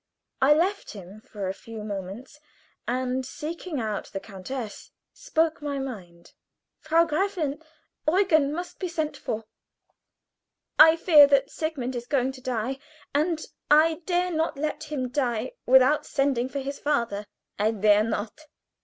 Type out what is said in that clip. I left him for a few moments, and seeking out the countess, spoke my mind. "Frau Gräfin, Eugen must be sent for. I fear that Sigmund is going to die, and I dare not let him die without sending for his father." "I dare not!"